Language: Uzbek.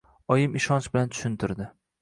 Oyim ishonch bilan tushuntirdi.